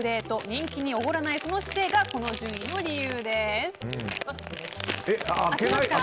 人気におごらないその姿勢がこの順位の理由です。